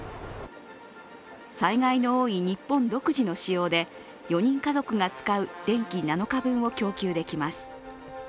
災害の多い日本独自の仕様で４人家族が使う電気７日分を供給できます。